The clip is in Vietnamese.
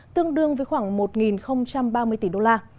tương đương với khoảng một ba mươi tỷ đô la